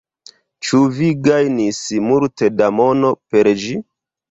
Ĉu vi gajnis multe da mono per ĝi?